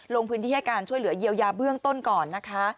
ลงพื้นที่ให้การช่วยเหลือเยียวยาเบื้องต้นก่อนนะคะ